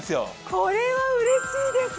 これはうれしいです。